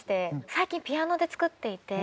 最近ピアノで作っていて。